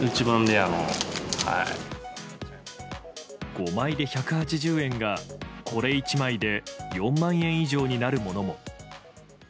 ５枚で１８０円が、これ１枚で４万円以上になるものも。